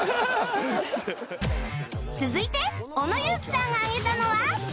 続いて小野友樹さんが挙げたのは